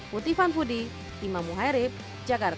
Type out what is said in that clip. puti fanfudi imam muhairib jakarta